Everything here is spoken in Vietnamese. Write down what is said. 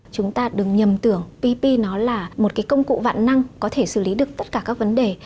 chúng ta đừng nhầm tưởng pp nó là một cái công cụ vạn năng có thể xử lý được tất cả các vấn đề